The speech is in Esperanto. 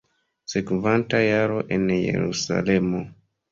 Sekvanta jaro en Jerusalemo.